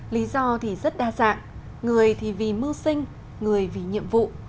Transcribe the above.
lý do thì rất đa dạng người thì vì mưu sinh người vì nhiệm vụ